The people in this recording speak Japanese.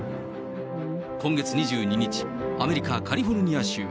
今月２２日、アメリカ・カリフォルニア州。